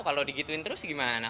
kalau digituin terus gimana